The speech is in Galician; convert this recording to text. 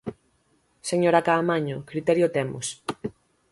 Señora Caamaño, criterio temos.